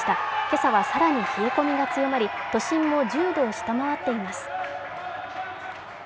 今朝は更に冷え込みが強まり、都心も１０度を下回っています。